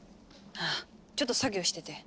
あぁちょっと作業してて。